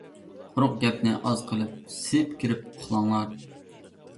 قۇرۇق گەپنى ئاز قىلىپ، سىيىپ كىرىپ ئۇخلاڭلار.